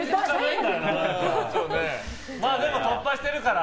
でも、突破してるから。